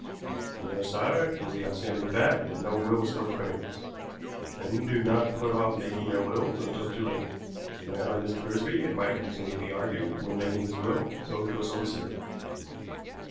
On the other side was the outstanding fact that no will was forthcoming. Men do not put off making their wills until too late. A man like Mr. Frisby, it might reasonably be argued, when making his will, would go to a solicitor.